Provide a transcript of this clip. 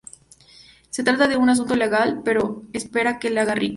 Se trata de un asunto ilegal, pero espera que le haga rico.